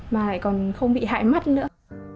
mà lại còn không bị hại mắt nữa